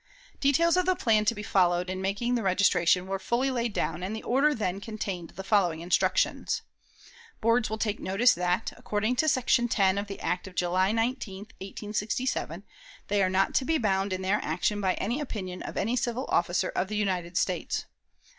Details of the plan to be followed in making the registration were fully laid down, and the order then contained the following instructions: "Boards will take notice that, according to section 10 of the act of July 19, 1867, they are not to be bound in their action by any opinion of any civil officer of the United States.